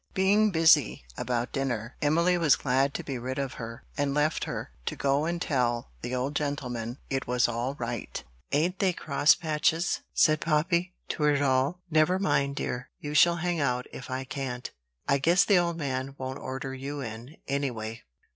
Being busy about dinner, Emily was glad to be rid of her, and left her, to go and tell the old gentleman it was all right. "Ain't they crosspatches?" said Poppy to her doll. "Never mind, dear: you shall hang out, if I can't. I guess the old man won't order you in, any way."